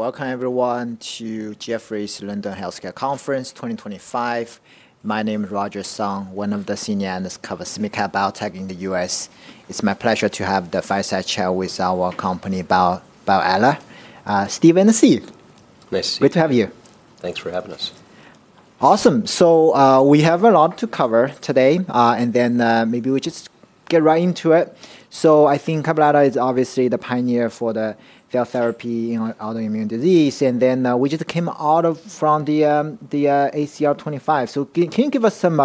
Welcome, everyone, to Jefferies London Healthcare conference 2025. My name is Roger Song, one of the senior analysts covering CBT in the U.S. It's my pleasure to have the fireside chat with our company, Cabaletta Bio, Steven, Steve. Nice to see you. Great to have you. Thanks for having us. Awesome. We have a lot to cover today, and maybe we just get right into it. I think Cabaletta Bio is obviously the pioneer for the cell therapy in autoimmune disease. We just came out of the ACR 2025. Can you give us some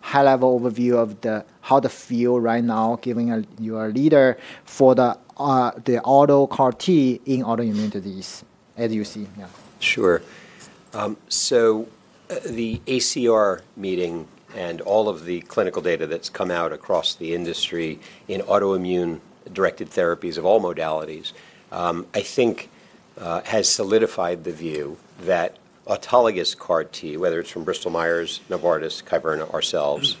high-level overview of how the field is right now, given you're a leader for the auto CAR-T in autoimmune disease, as you see? Yeah. Sure. The ACR meeting and all of the clinical data that's come out across the industry in autoimmune directed therapies of all modalities, I think, has solidified the view that autologous CAR-T, whether it's from Bristol Myers Squibb, Novartis, Kyverna, ourselves,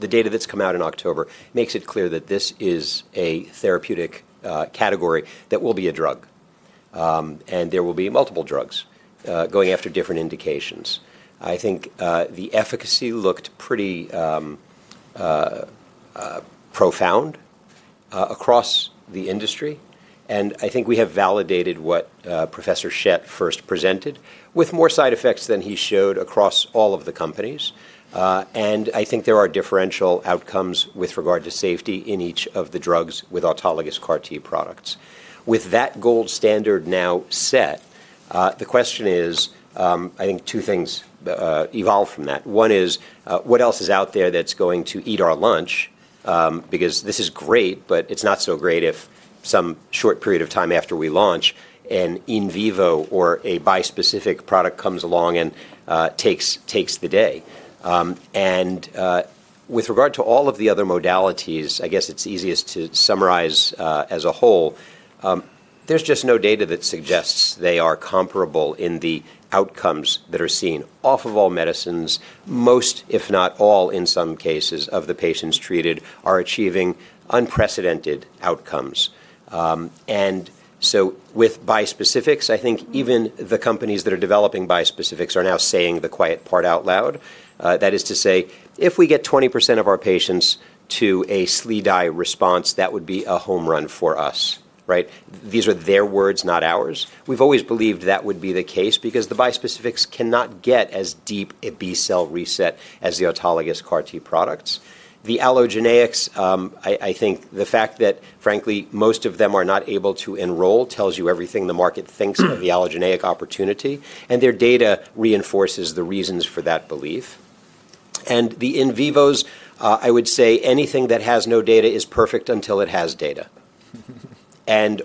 the data that's come out in October makes it clear that this is a therapeutic category that will be a drug. There will be multiple drugs going after different indications. I think the efficacy looked pretty profound across the industry. I think we have validated what Professor Schett first presented with more side effects than he showed across all of the companies. I think there are differential outcomes with regard to safety in each of the drugs with autologous CAR-T products. With that gold standard now set, the question is, I think two things evolve from that. One is, what else is out there that's going to eat our lunch? Because this is great, but it's not so great if some short period of time after we launch an in vivo or a bispecific product comes along and takes the day. And, with regard to all of the other modalities, I guess it's easiest to summarize, as a whole, there's just no data that suggests they are comparable in the outcomes that are seen. Off of all medicines, most, if not all, in some cases of the patients treated are achieving unprecedented outcomes. And so with bispecifics, I think even the companies that are developing bispecifics are now saying the quiet part out loud. That is to say, if we get 20% of our patients to a sleep-die response, that would be a home run for us, right? These are their words, not ours. We've always believed that would be the case because the bispecifics cannot get as deep a B cell reset as the autologous CAR-T products. The allogeneics, I think the fact that, frankly, most of them are not able to enroll tells you everything the market thinks of the allogeneic opportunity, and their data reinforces the reasons for that belief. The in vivos, I would say anything that has no data is perfect until it has data.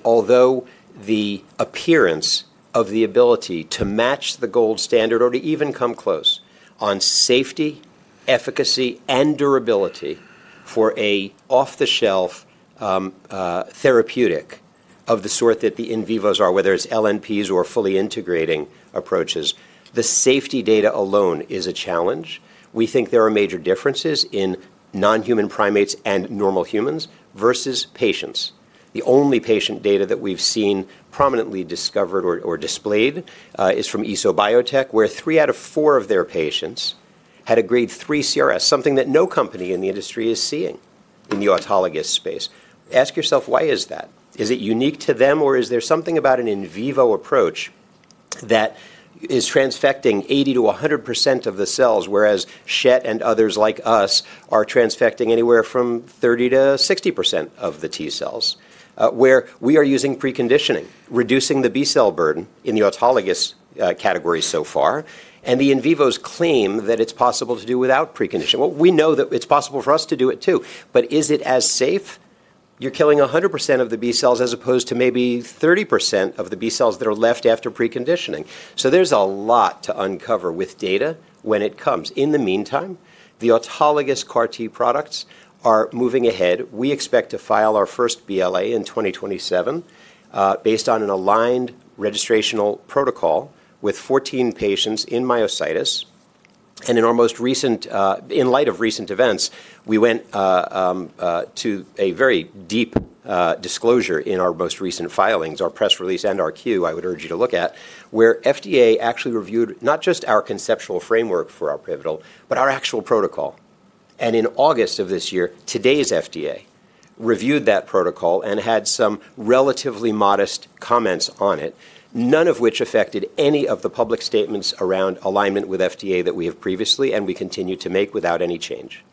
Although the appearance of the ability to match the gold standard or to even come close on safety, efficacy, and durability for an off-the-shelf therapeutic of the sort that the in vivos are, whether it's LNPs or fully integrating approaches, the safety data alone is a challenge. We think there are major differences in non-human primates and normal humans versus patients. The only patient data that we've seen prominently discovered or, or displayed, is from EsoBiotec, where three out of four of their patients had a grade 3 CRS, something that no company in the industry is seeing in the autologous space. Ask yourself, why is that? Is it unique to them, or is there something about an in vivo approach that is transfecting 80%-100% of the cells, whereas Schett and others like us are transfecting anywhere from 30%-60% of the T cells, where we are using preconditioning, reducing the B cell burden in the autologous category so far. The in vivos claim that it's possible to do without preconditioning. We know that it's possible for us to do it too, but is it as safe? You're killing 100% of the B cells as opposed to maybe 30% of the B cells that are left after preconditioning. There's a lot to uncover with data when it comes. In the meantime, the autologous CAR-T products are moving ahead. We expect to file our first BLA in 2027, based on an aligned registrational protocol with 14 patients in myositis. In our most recent, in light of recent events, we went to a very deep disclosure in our most recent filings, our press release and our Q, I would urge you to look at, where FDA actually reviewed not just our conceptual framework for our pivotal, but our actual protocol. In August of this year, today's FDA reviewed that protocol and had some relatively modest comments on it, none of which affected any of the public statements around alignment with FDA that we have previously and we continue to make without any change.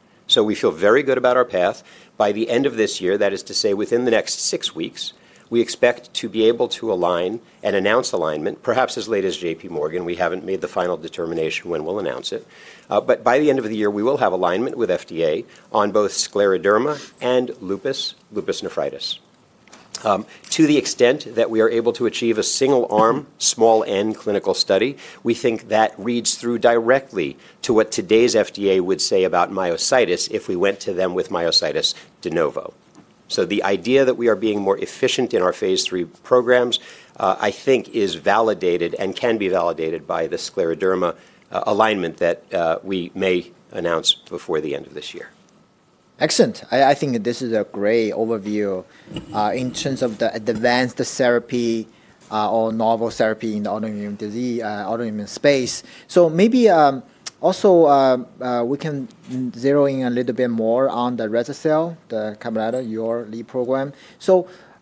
We feel very good about our path. By the end of this year, that is to say within the next six weeks, we expect to be able to align and announce alignment, perhaps as late as JPMorgan. We haven't made the final determination when we'll announce it, but by the end of the year, we will have alignment with FDA on both scleroderma and lupus, lupus nephritis. To the extent that we are able to achieve a single-arm, small N clinical study, we think that reads through directly to what today's FDA would say about myositis if we went to them with myositis de novo. The idea that we are being more efficient in our phase III programs, I think, is validated and can be validated by the scleroderma alignment that we may announce before the end of this year. Excellent. I think that this is a great overview, in terms of the advanced therapy, or novel therapy in the autoimmune disease, autoimmune space. Maybe, also, we can zero in a little bit more on the rese-cel, the Cabaletta, your lead program.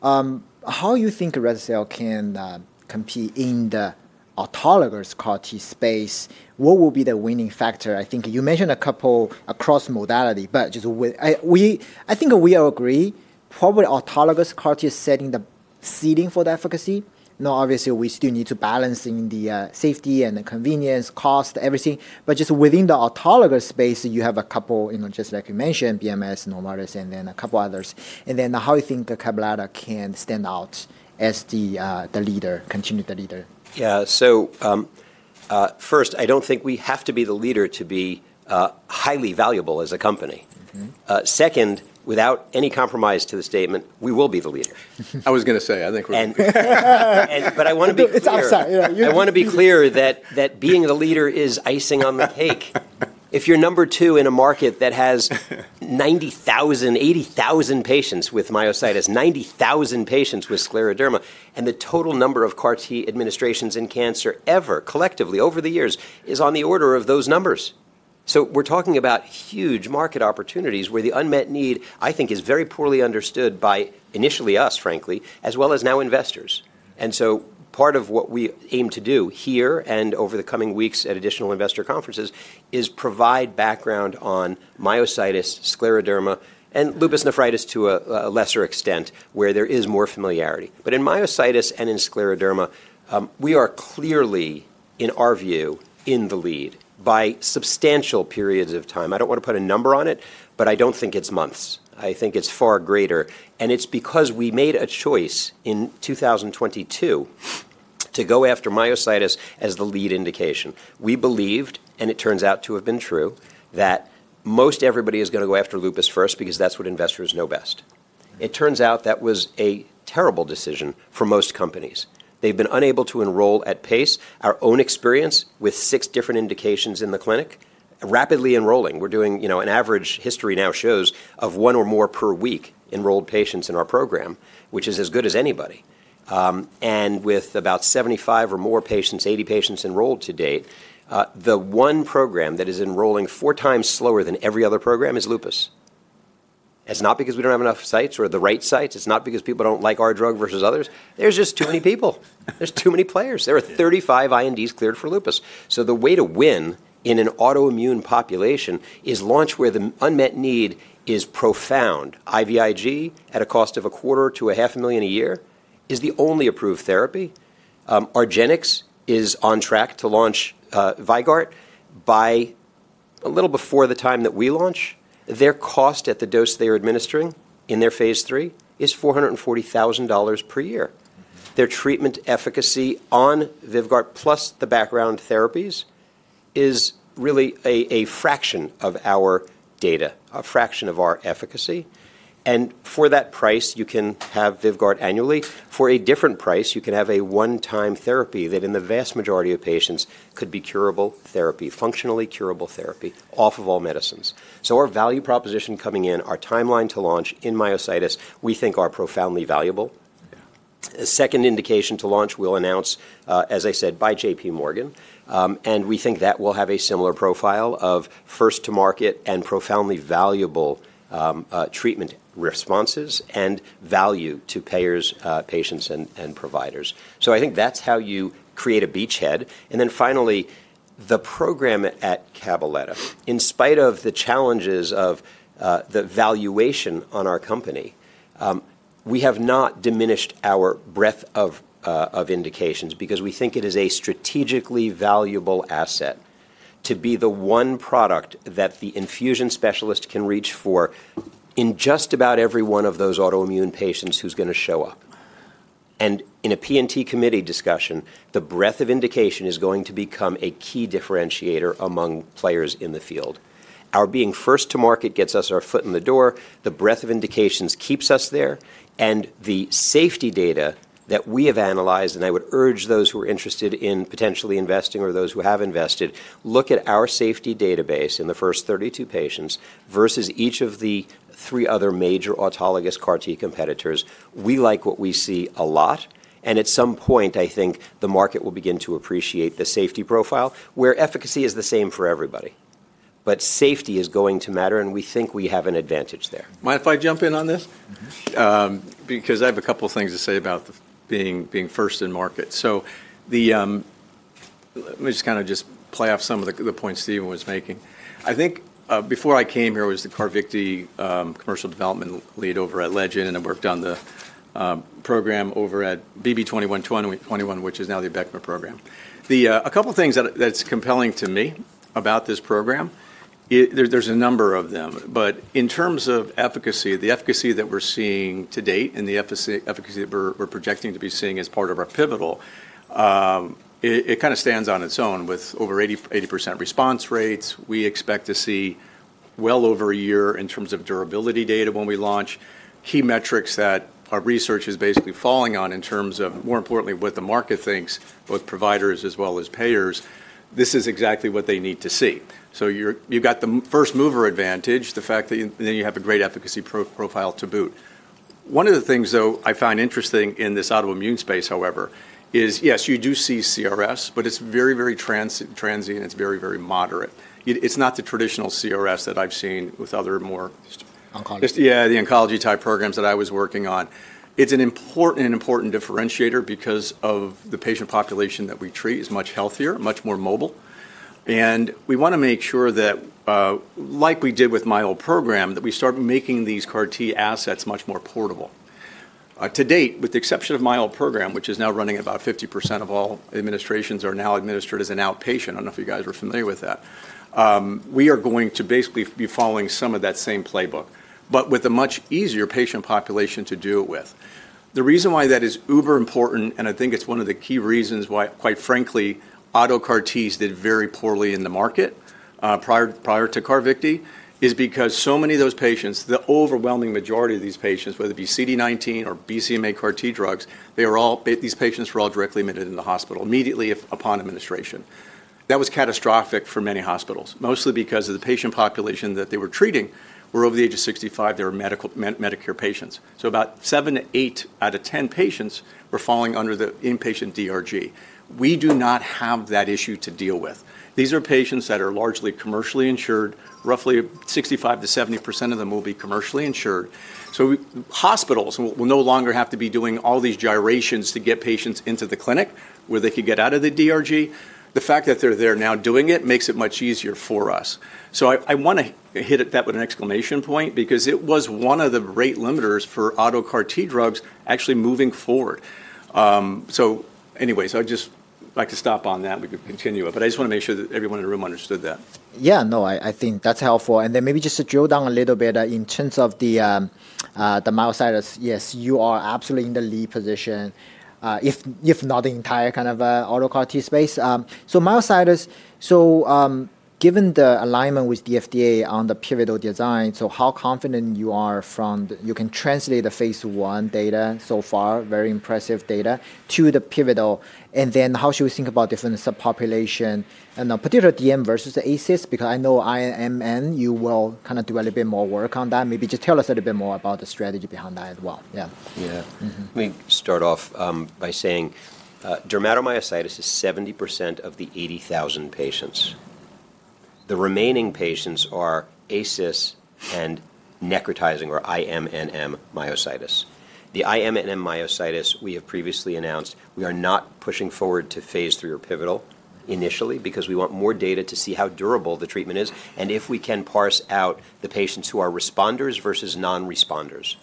How do you think rese-cel can compete in the autologous CAR-T space? What will be the winning factor? I think you mentioned a couple across modality, but just with, we, I think we all agree probably autologous CAR-T is setting the seating for the efficacy. Now, obviously, we still need to balance in the safety and the convenience, cost, everything. Just within the autologous space, you have a couple, you know, just like you mentioned, Bristol Myers Squibb, Novartis, and then a couple others. How do you think Cabaletta can stand out as the leader, continue the leader? Yeah. First, I don't think we have to be the leader to be highly valuable as a company. Second, without any compromise to the statement, we will be the leader. I was gonna say, I think we're the leader. I wanna be clear that being the leader is icing on the cake. If you're number two in a market that has 90,000-80,000 patients with myositis, 90,000 patients with scleroderma, and the total number of CAR-T administrations in cancer ever collectively over the years is on the order of those numbers. We're talking about huge market opportunities where the unmet need, I think, is very poorly understood by initially us, frankly, as well as now investors. Part of what we aim to do here and over the coming weeks at additional investor conferences is provide background on myositis, scleroderma, and lupus nephritis to a lesser extent where there is more familiarity. In myositis and in scleroderma, we are clearly, in our view, in the lead by substantial periods of time. I do not want to put a number on it, but I do not think it is months. I think it is far greater. It is because we made a choice in 2022 to go after myositis as the lead indication. We believed, and it turns out to have been true, that most everybody is going to go after lupus first because that is what investors know best. It turns out that was a terrible decision for most companies. They have been unable to enroll at pace. Our own experience with six different indications in the clinic, rapidly enrolling. We're doing, you know, an average history now shows of one or more per week enrolled patients in our program, which is as good as anybody. With about 75 or more patients, 80 patients enrolled to date, the one program that is enrolling four times slower than every other program is lupus. It's not because we don't have enough sites or the right sites. It's not because people don't like our drug versus others. There's just too many people. There's too many players. There are 35 INDs cleared for lupus. The way to win in an autoimmune population is launch where the unmet need is profound. IVIG at a cost of a quarter to a half a million a year is the only approved therapy. Argenx is on track to launch, Vyvgart by a little before the time that we launch. Their cost at the dose they're administering in their phase III is $440,000 per year. Their treatment efficacy on Vyvgart plus the background therapies is really a fraction of our data, a fraction of our efficacy. For that price, you can have Vyvgart annually. For a different price, you can have a one-time therapy that in the vast majority of patients could be curable therapy, functionally curable therapy off of all medicines. Our value proposition coming in, our timeline to launch in myositis, we think are profoundly valuable. A second indication to launch we'll announce, as I said, by JPMorgan. We think that will have a similar profile of first to market and profoundly valuable treatment responses and value to payers, patients, and providers. I think that's how you create a beachhead. Finally, the program at Cabaletta, in spite of the challenges of the valuation on our company, we have not diminished our breadth of indications because we think it is a strategically valuable asset to be the one product that the infusion specialist can reach for in just about every one of those autoimmune patients who's gonna show up. In a P&T committee discussion, the breadth of indication is going to become a key differentiator among players in the field. Our being first to market gets us our foot in the door. The breadth of indications keeps us there. The safety data that we have analyzed, and I would urge those who are interested in potentially investing or those who have invested, look at our safety database in the first 32 patients versus each of the three other major autologous CAR-T competitors. We like what we see a lot. At some point, I think the market will begin to appreciate the safety profile where efficacy is the same for everybody, but safety is going to matter, and we think we have an advantage there. Mind if I jump in on this? Because I have a couple of things to say about being, being first in market. Let me just kind of play off some of the points Steven was making. I think, before I came here, I was the Carvykti commercial development lead over at Legend, and I worked on the program over at Abecma, which is now the Abecma program. A couple of things that are compelling to me about this program, there are a number of them, but in terms of efficacy, the efficacy that we're seeing to date and the efficacy that we're projecting to be seeing as part of our pivotal, it kind of stands on its own with over 80% response rates. We expect to see well over a year in terms of durability data when we launch key metrics that our research is basically falling on in terms of more importantly what the market thinks, both providers as well as payers. This is exactly what they need to see. You've got the first mover advantage, the fact that you, and then you have a great efficacy profile to boot. One of the things I find interesting in this autoimmune space, however, is yes, you do see CRS, but it's very, very transient. It's very, very moderate. It's not the traditional CRS that I've seen with other more oncology, the oncology type programs that I was working on. It's an important differentiator because the patient population that we treat is much healthier, much more mobile. We wanna make sure that, like we did with my old program, we start making these CAR-T assets much more portable. To date, with the exception of my old program, which is now running about 50% of all administrations as outpatient, I don't know if you guys are familiar with that. We are going to basically be following some of that same playbook, but with a much easier patient population to do it with. The reason why that is uber important, and I think it's one of the key reasons why, quite frankly, auto CAR-Ts did very poorly in the market prior to Carvykti, is because so many of those patients, the overwhelming majority of these patients, whether it be CD19 or BCMA CAR-T drugs, they were all, these patients were all directly admitted in the hospital immediately upon administration. That was catastrophic for many hospitals, mostly because the patient population that they were treating were over the age of 65. They were medical, Medicare patients. About seven to eight out of 10 patients were falling under the inpatient DRG. We do not have that issue to deal with. These are patients that are largely commercially insured. Roughly 65%-70% of them will be commercially insured. Hospitals will no longer have to be doing all these gyrations to get patients into the clinic where they could get out of the DRG. The fact that they're there now doing it makes it much easier for us. I want to hit that with an exclamation point because it was one of the rate limiters for auto CAR-T drugs actually moving forward. Anyways, I'd just like to stop on that. We could continue it, but I just wanna make sure that everyone in the room understood that. Yeah. No, I think that's helpful. Maybe just to drill down a little bit in terms of the myositis. Yes, you are absolutely in the lead position, if not the entire kind of auto CAR-T space. Myositis. Given the alignment with the FDA on the pivotal design, how confident you are from the, you can translate the phase I data so far, very impressive data, to the pivotal. How should we think about different subpopulation and particular DM versus the ASyS? Because I know IMNM, you will kind of do a little bit more work on that. Maybe just tell us a little bit more about the strategy behind that as well. Yeah. Yeah. Let me start off by saying, dermatomyositis is 70% of the 80,000 patients. The remaining patients are ASyS and necrotizing or IMNM myositis. The IMNM myositis we have previously announced, we are not pushing forward to phase III or pivotal initially because we want more data to see how durable the treatment is. If we can parse out the patients who are responders versus non-responders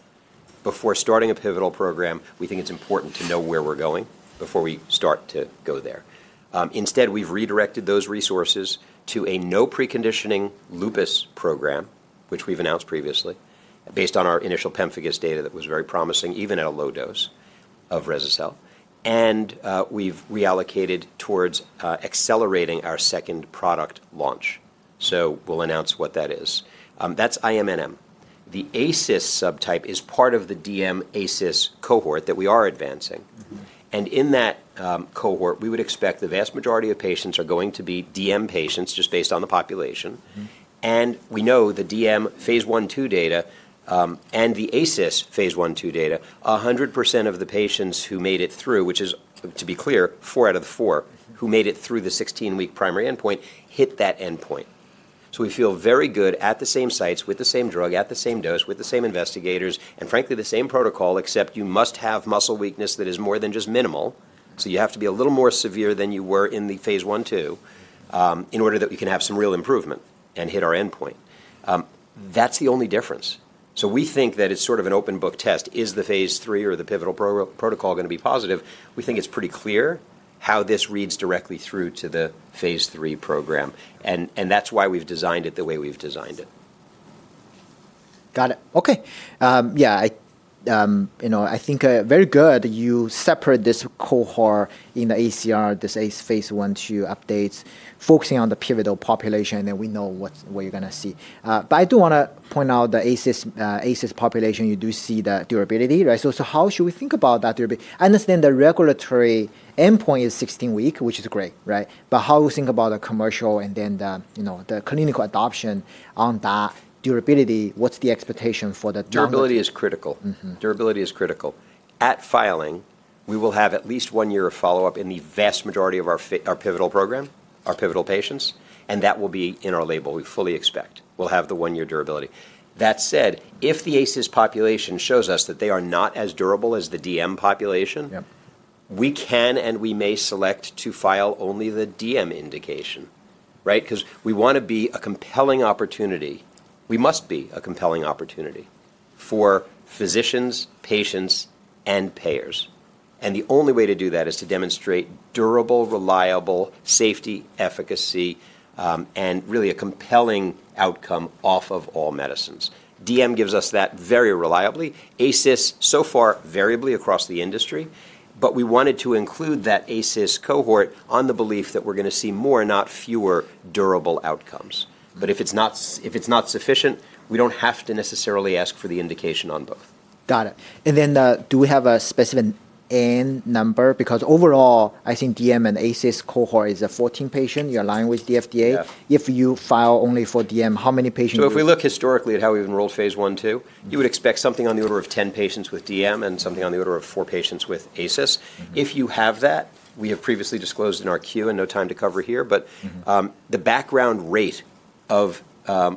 before starting a pivotal program, we think it's important to know where we're going before we start to go there. Instead, we've redirected those resources to a no preconditioning lupus program, which we've announced previously based on our initial pemphigus data that was very promising, even at a low dose of rese-cel. We've reallocated towards accelerating our second product launch. We'll announce what that is. That's IMNM. The ASyS subtype is part of the DM ASyS cohort that we are advancing. In that cohort, we would expect the vast majority of patients are going to be DM patients just based on the population. We know the DM phase I/II data, and the ACIS phase I/II data, 100% of the patients who made it through, which is to be clear, four out of the four who made it through the 16-week primary endpoint hit that endpoint. We feel very good at the same sites, with the same drug, at the same dose, with the same investigators, and frankly, the same protocol, except you must have muscle weakness that is more than just minimal. You have to be a little more severe than you were in the phase I/II, in order that we can have some real improvement and hit our endpoint. That's the only difference. We think that it's sort of an open book test. Is the phase III or the pivotal protocol gonna be positive? We think it's pretty clear how this reads directly through to the phase III program, and that's why we've designed it the way we've designed it. Got it. Okay. Yeah, I, you know, I think, very good that you separate this cohort in the ACR, this ACIS phase I/II updates, focusing on the pivotal population. And then we know what's what you're gonna see. I do wanna point out the ACIS, ACIS population. You do see the durability, right? So, how should we think about that durability? I understand the regulatory endpoint is 16 weeks, which is great, right? How do you think about the commercial and then the, you know, the clinical adoption on that durability? What's the expectation for the durability? Durability is critical. At filing, we will have at least one year of follow-up in the vast majority of our pivotal program, our pivotal patients. That will be in our label. We fully expect we'll have the one-year durability. That said, if the ASyS population shows us that they are not as durable as the DM population, we can and we may select to file only the DM indication, right? 'Cause we wanna be a compelling opportunity. We must be a compelling opportunity for physicians, patients, and payers. The only way to do that is to demonstrate durable, reliable safety, efficacy, and really a compelling outcome off of all medicines. DM gives us that very reliably. ASyS so far variably across the industry, but we wanted to include that ASyS cohort on the belief that we're gonna see more, not fewer durable outcomes. If it's not sufficient, we don't have to necessarily ask for the indication on both. Got it. Do we have a specific end number? Because overall, I think DM and ASyS cohort is a 14 patient. You're aligned with the FDA. If you file only for DM, how many patients? If we look historically at how we've enrolled phase I/II, you would expect something on the order of 10 patients with DM and something on the order of four patients with ASyS. If you have that, we have previously disclosed in our queue and no time to cover here, but the background rate of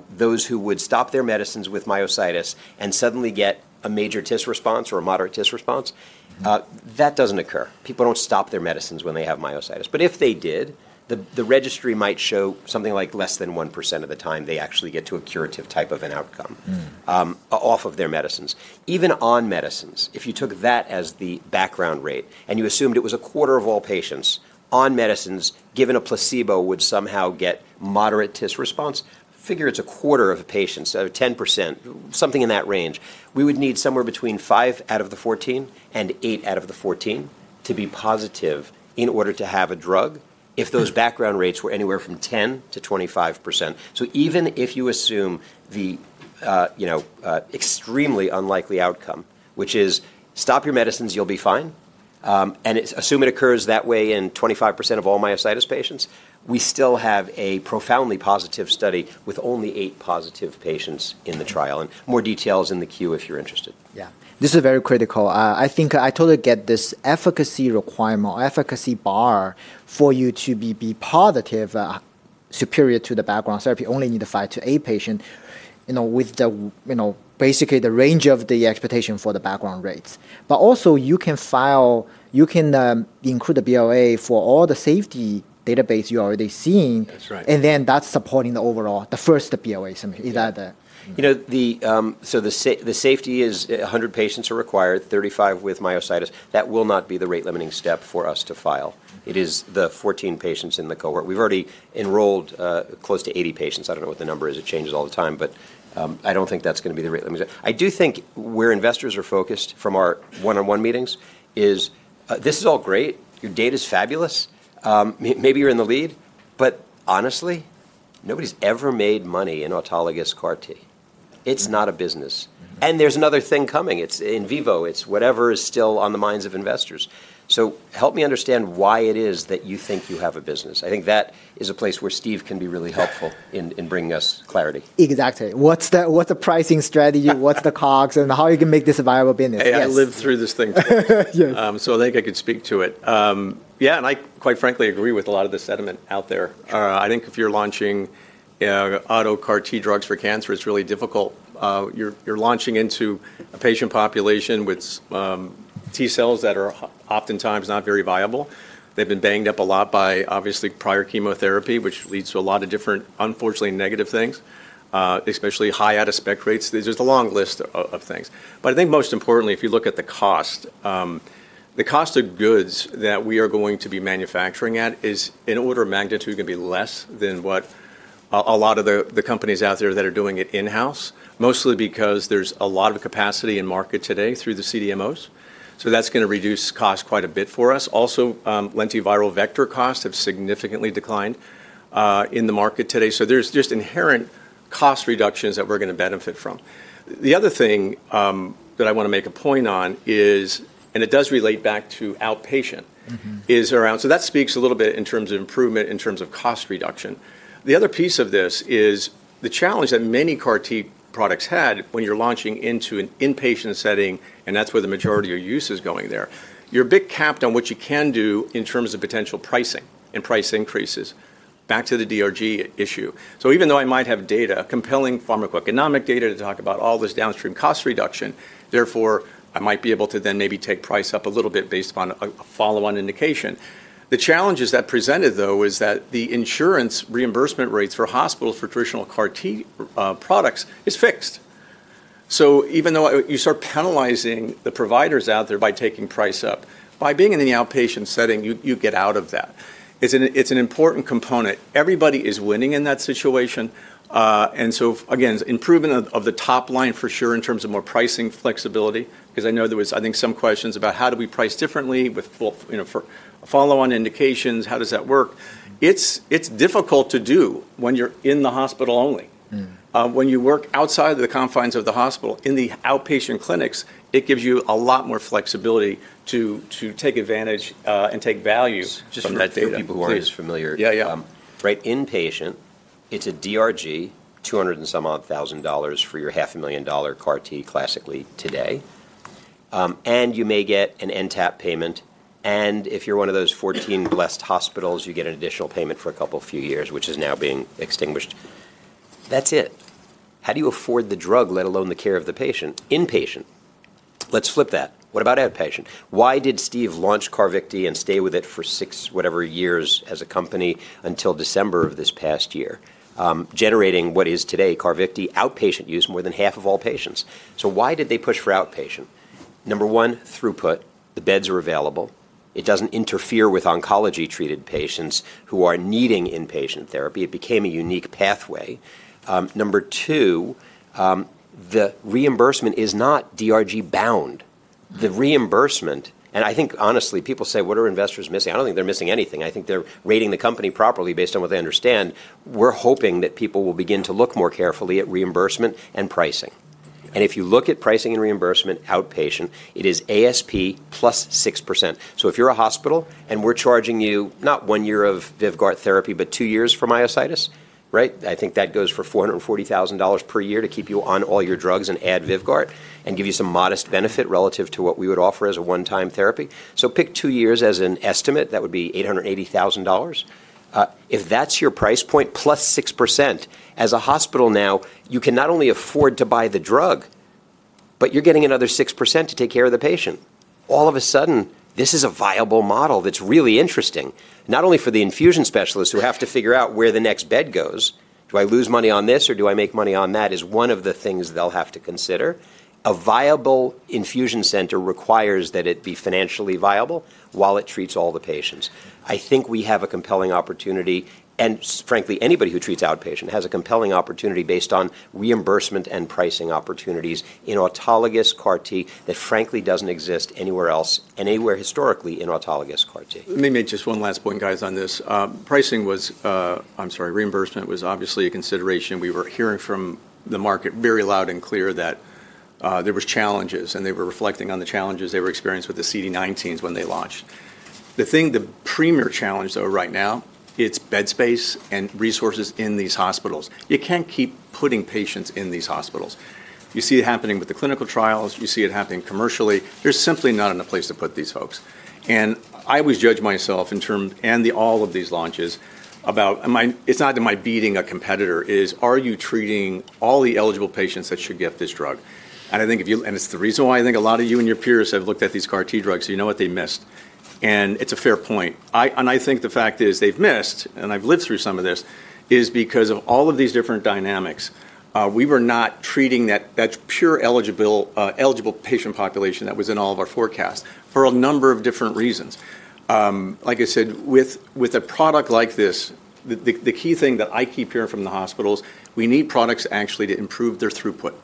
those who would stop their medicines with myositis and suddenly get a major TIS response or a moderate TIS response, that doesn't occur. People don't stop their medicines when they have myositis. If they did, the registry might show something like less than 1% of the time they actually get to a curative type of an outcome, off of their medicines. Even on medicines, if you took that as the background rate and you assumed it was a quarter of all patients on medicines, given a placebo, would somehow get moderate TIS response, figure it's a quarter of the patients, so 10%, something in that range, we would need somewhere between five out of the 14 and eight out of the 14 to be positive in order to have a drug if those background rates were anywhere from 10%-25%. Even if you assume the, you know, extremely unlikely outcome, which is stop your medicines, you'll be fine, and assume it occurs that way in 25% of all myositis patients, we still have a profoundly positive study with only eight positive patients in the trial. More details in the queue if you're interested. Yeah. This is very critical. I think I totally get this efficacy requirement or efficacy bar for you to be positive, superior to the background therapy. Only need to fight to a patient, you know, with the, you know, basically the range of the expectation for the background rates. Also you can file, you can include the BLA for all the safety database you're already seeing. That's right. That's supporting the overall, the first BLA is that the. You know, the safety is a hundred patients are required, 35 with myositis. That will not be the rate limiting step for us to file. It is the 14 patients in the cohort. We've already enrolled close to 80 patients. I don't know what the number is. It changes all the time, but I don't think that's gonna be the rate limiting. I do think where investors are focused from our one-on-one meetings is, this is all great. Your data's fabulous. Maybe you're in the lead, but honestly, nobody's ever made money in autologous CAR-T. It's not a business. There's another thing coming. It's in vivo. It's whatever is still on the minds of investors. Help me understand why it is that you think you have a business. I think that is a place where Steve can be really helpful in bringing us clarity. Exactly. What's the, what's the pricing strategy? What's the COGS and how are you gonna make this a viable business? Yeah. I lived through this thing too, so I think I could speak to it. Yeah. And I, quite frankly, agree with a lot of the sentiment out there. I think if you're launching auto CAR-T drugs for cancer, it's really difficult. You're launching into a patient population with T cells that are oftentimes not very viable. They've been banged up a lot by obviously prior chemotherapy, which leads to a lot of different, unfortunately negative things, especially high out of spec rates. There's a long list of things. I think most importantly, if you look at the cost, the cost of goods that we are going to be manufacturing at is in order of magnitude gonna be less than what a lot of the companies out there that are doing it in-house, mostly because there's a lot of capacity in market today through the CDMOs. That's gonna reduce cost quite a bit for us. Also, lentiviral vector costs have significantly declined in the market today. There's just inherent cost reductions that we're gonna benefit from. The other thing that I wanna make a point on is, and it does relate back to outpatient, is around, so that speaks a little bit in terms of improvement, in terms of cost reduction. The other piece of this is the challenge that many CAR-T products had when you're launching into an inpatient setting, and that's where the majority of your use is going there. You're a bit capped on what you can do in terms of potential pricing and price increases. Back to the DRG issue. Even though I might have data, compelling pharmacoeconomic data to talk about all this downstream cost reduction, therefore I might be able to then maybe take price up a little bit based upon a follow-on indication. The challenge that presented though is that the insurance reimbursement rates for hospitals for traditional CAR-T products is fixed. Even though you start penalizing the providers out there by taking price up, by being in the outpatient setting, you get out of that. It's an important component. Everybody is winning in that situation. And so again, improvement of the top line for sure in terms of more pricing flexibility. 'Cause I know there was, I think, some questions about how do we price differently with full, you know, for follow-on indications, how does that work? It's difficult to do when you're in the hospital only. When you work outside of the confines of the hospital in the outpatient clinics, it gives you a lot more flexibility to take advantage, and take value just from that data. For people who aren't as familiar. Yeah, yeah. Right. Inpatient, it's a DRG, $200,000 and some odd thousand dollars for your $500,000 CAR-T classically today. And you may get an NTAP payment. And if you're one of those 14 blessed hospitals, you get an additional payment for a couple few years, which is now being extinguished. That's it. How do you afford the drug, let alone the care of the patient? Inpatient, let's flip that. What about outpatient? Why did Steve launch Carvykti and stay with it for six whatever years as a company until December of this past year, generating what is today Carvykti outpatient use more than half of all patients? Why did they push for outpatient? Number one, throughput. The beds are available. It does not interfere with oncology treated patients who are needing inpatient therapy. It became a unique pathway. Number two, the reimbursement is not DRG bound. The reimbursement, and I think honestly people say, what are investors missing? I do not think they are missing anything. I think they are rating the company properly based on what they understand. We are hoping that people will begin to look more carefully at reimbursement and pricing. If you look at pricing and reimbursement outpatient, it is ASP plus 6%. If you are a hospital and we are charging you not one year of Vyvgart therapy, but two years for myositis, right? I think that goes for $440,000 per year to keep you on all your drugs and add Vyvgart and give you some modest benefit relative to what we would offer as a one-time therapy. Pick two years as an estimate. That would be $880,000. If that is your price point +6%, as a hospital now, you can not only afford to buy the drug, but you are getting another 6% to take care of the patient. All of a sudden, this is a viable model that is really interesting, not only for the infusion specialists who have to figure out where the next bed goes. Do I lose money on this or do I make money on that is one of the things they'll have to consider. A viable infusion center requires that it be financially viable while it treats all the patients. I think we have a compelling opportunity, and frankly, anybody who treats outpatient has a compelling opportunity based on reimbursement and pricing opportunities in autologous CAR-T that frankly doesn't exist anywhere else and anywhere historically in autologous CAR-T. Let me make just one last point, guys, on this. Pricing was, I'm sorry, reimbursement was obviously a consideration. We were hearing from the market very loud and clear that there were challenges and they were reflecting on the challenges they were experienced with the CD19s when they launched. The thing, the premier challenge though right now, it's bed space and resources in these hospitals. You can't keep putting patients in these hospitals. You see it happening with the clinical trials. You see it happening commercially. There's simply not enough place to put these folks. I always judge myself in terms of all of these launches about my, it's not that my beating a competitor is, are you treating all the eligible patients that should get this drug? I think if you, and it's the reason why I think a lot of you and your peers have looked at these CAR-T drugs, you know what they missed. It's a fair point. I think the fact is they've missed, and I've lived through some of this, is because of all of these different dynamics. We were not treating that pure eligible patient population that was in all of our forecast for a number of different reasons. Like I said, with a product like this, the key thing that I keep hearing from the hospitals, we need products actually to improve their throughput.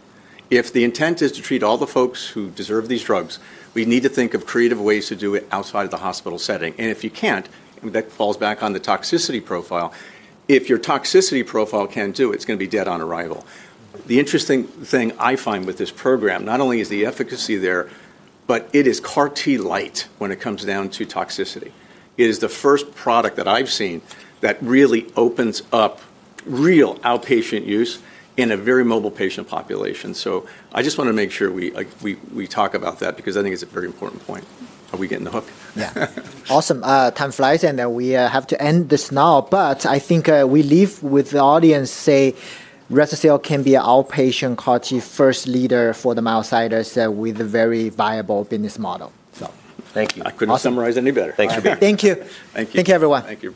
If the intent is to treat all the folks who deserve these drugs, we need to think of creative ways to do it outside of the hospital setting. If you can't, and that falls back on the toxicity profile, if your toxicity profile can't do it, it's gonna be dead on arrival. The interesting thing I find with this program, not only is the efficacy there, but it is CAR-T light when it comes down to toxicity. It is the first product that I've seen that really opens up real outpatient use in a very mobile patient population. I just want to make sure we talk about that because I think it's a very important point. Are we getting the hook? Yeah. Awesome. Time flies. We have to end this now, but I think we leave with the audience, say, rese-cel can be an outpatient CAR-T first leader for the myositis with a very viable business model. Thank you. I couldn't summarize any better. Thanks for being. Thank you. Thank you. Thank you, everyone. Thank you.